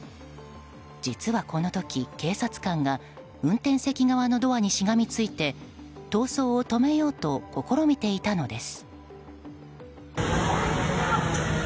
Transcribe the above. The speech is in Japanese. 実はこの時、警察官が運転席側のドアにしがみついて逃走を止めようと試みていたのです。